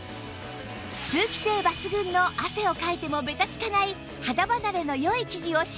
通気性抜群の汗をかいてもべたつかない肌離れのよい生地を使用